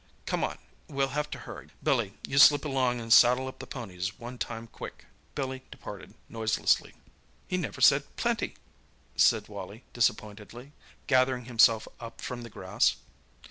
Come on—we'll have to hurry. Billy, you slip along and saddle up the ponies one time quick!" Billy departed noiselessly. "He never said 'Plenty!'" said Wally disappointedly, gathering himself up from the grass.